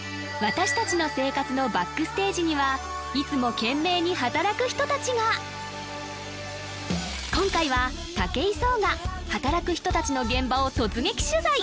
私達の生活のＢＡＣＫＳＴＡＧＥにはいつも懸命に働く人達が今回は武井壮が働く人達の現場を突撃取材！